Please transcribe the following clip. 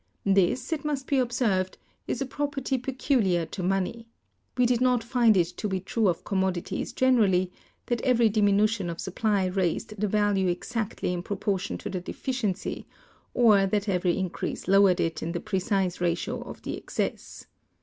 This, it must be observed, is a property peculiar to money. We did not find it to be true of commodities generally, that every diminution of supply raised the value exactly in proportion to the deficiency, or that every increase lowered it in the precise ratio of the excess.